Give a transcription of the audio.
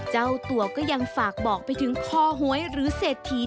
เจ้าตัวก็ยังฝากบอกไปถึงคอหวยหรือเศรษฐี